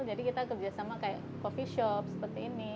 jadi kita kerjasama kayak coffee shop seperti ini